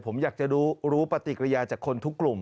ผมอยากจะรู้ปฏิกิริยาจากคนทุกกลุ่ม